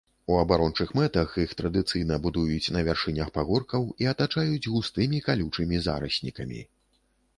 У абарончых мэтах іх традыцыйна будуюць на вяршынях пагоркаў і атачаюць густымі калючымі зараснікамі.